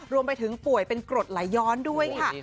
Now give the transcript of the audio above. รวมไปถึงป่วยเป็นกรดไหลย้อนด้วยค่ะ